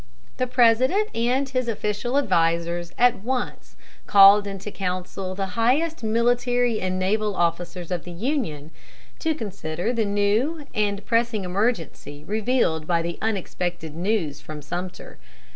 The President and his official advisers at once called into counsel the highest military and naval officers of the Union to consider the new and pressing emergency revealed by the unexpected news from Sumter.